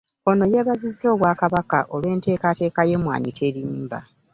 Ono yeebazizza Obwakabaka olw'enteekateeka y'Emmwanyi Terimba